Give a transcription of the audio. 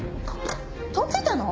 解けたの？